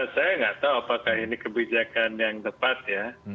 saya nggak tahu apakah ini kebijakan yang tepat ya